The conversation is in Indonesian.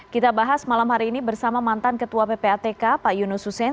kita bahas malam hari ini bersama mantan ketua ppatk pak yunus hussein